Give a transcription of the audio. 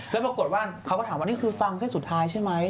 แล้วปรากฏว่าเขาก็ถามว่านี่คือฟังเส้นสุดท้ายใช่ไหม